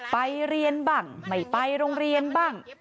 ไปเรียนบ้างไม่ไปโรงเรียนบ้าง